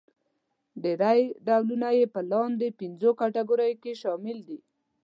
ډېری ډولونه يې په لاندې پنځو کټګوریو کې شامل دي.